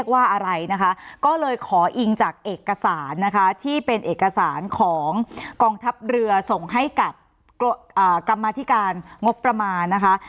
ว่าอะไรนะคะก็เลยขออิงจากเอกสารนะคะที่เป็นเอกสารของกองทัพเรือส่งให้กับกรรมธิการงบประมาณนะคะ